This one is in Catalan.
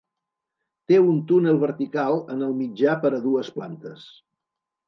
Té un túnel vertical en el mitjà per a dues plantes.